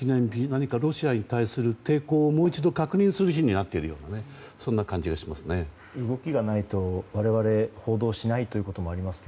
何かロシアに対する抵抗をもう一度確認する日になっているような動きがないと我々、報道しないということもあります